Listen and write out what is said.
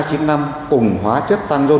xăng đầy cáo